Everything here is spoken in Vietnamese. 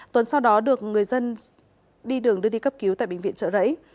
tuấn sau đó được người dân đi đường đưa đi cấp cứu tại bệnh viện trợ rẫy